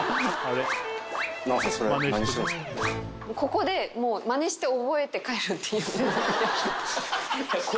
ここでもうまねして覚えて帰るっていう。